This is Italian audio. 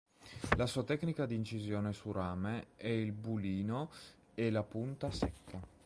La sua tecnica di incisione su rame è il bulino e la punta secca.